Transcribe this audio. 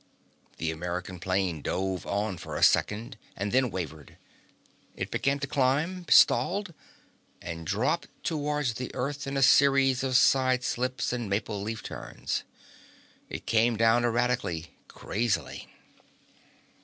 The American plane drove on for a second, and then wavered. It began to climb, stalled, and dropped toward the earth in a series of side slips and maple leaf turns. It came down erratically, crazily.